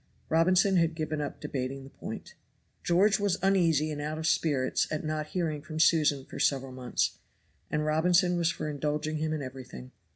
Robinson had given up debating the point. George was uneasy and out of spirits at not hearing from Susan for several months, and Robinson was for indulging him in everything.